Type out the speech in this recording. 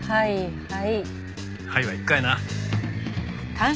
はい。